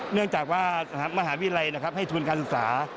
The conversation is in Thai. เนื่องจากว่ามหาวิทยาลัยให้ทุนการศึกษา